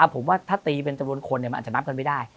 ผมว่าถ้าตีเป็นจำนวนคนมันอาจจะนับกันไม่ได้